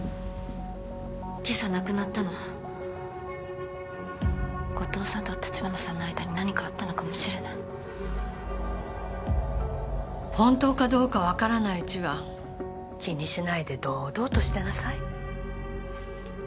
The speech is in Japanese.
今朝亡くなったの後藤さんと橘さんの間に何かあったのかもしれない本当かどうか分からないうちは気にしないで堂々としてなさい